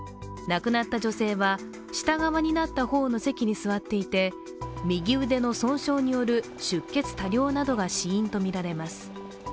亡くなった女性は、下側になった方の席に座っていて、右腕の損傷による出血多量などが死因とみられます。